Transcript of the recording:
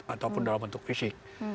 ataupun dalam bentuk fisik